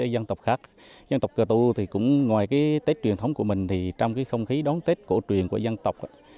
dân tộc cơ tu thì cũng ngoài cái tết truyền thống của mình thì trong cái không khí đón tết cổ truyền của dân tộc